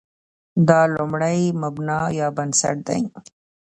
دا لومړی مبنا یا بنسټ دی.